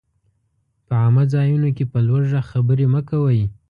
په عامه ځايونو کي په لوړ ږغ خبري مه کوئ!